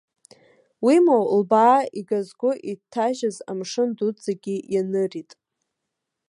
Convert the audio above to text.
Уимоу, лбаа игазго иҭажьыз амшын дуӡӡагьы ианырит.